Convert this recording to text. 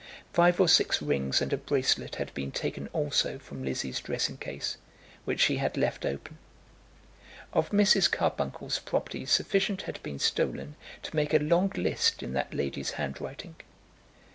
Five or six rings and a bracelet had been taken also from Lizzie's dressing case, which she had left open. Of Mrs. Carbuncle's property sufficient had been stolen to make a long list in that lady's handwriting.